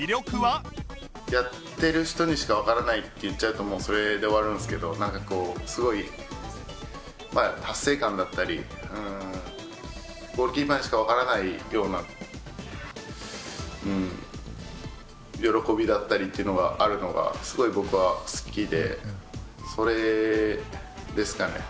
やってる人にしかわからないって言っちゃうともうそれで終わるんですけどなんかこうすごいまあ達成感だったりゴールキーパーにしかわからないような喜びだったりっていうのがあるのがすごい僕は好きでそれですかね。